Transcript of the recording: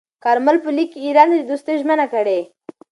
کارمل په لیک کې ایران ته د دوستۍ ژمنه کړې.